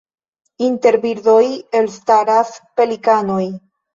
Inter birdoj elstaras pelikanoj.